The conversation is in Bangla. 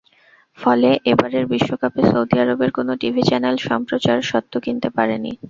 ফলে এবারের বিশ্বকাপে সৌদি আরবের কোনো টিভি চ্যানেল সম্প্রচার স্বত্ব কিনতে পারেনি।